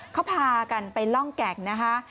เขาพากันไปล่องแก่งนะคะ